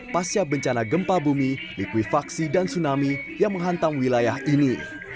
pasca bencana gempa bumi likuifaksi dan tsunami yang menghantam wilayah ini